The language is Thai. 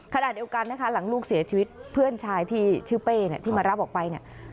ขณะเดียวกันนะคะหลังลูกเสียชีวิตเพื่อนชายที่ชื่อเป้เนี่ยที่มารับออกไปเนี่ย